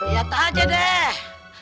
ya tak aja deh